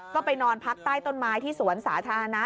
ก็ไปนอนพักใต้ต้นไม้ที่สวนสาธารณะ